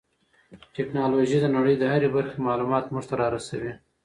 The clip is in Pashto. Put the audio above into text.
ټیکنالوژي د نړۍ د هرې برخې معلومات موږ ته را رسوي.